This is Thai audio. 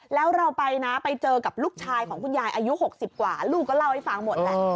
แล้วเราไปนะไปเจอกับลูกชายของคุณยายอายุ๖๐กว่าลูกก็เล่าให้ฟังหมดแหละ